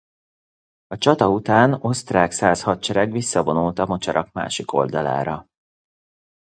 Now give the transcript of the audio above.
A csata után osztrák-szász hadsereg visszavonult a mocsarak másik oldalára.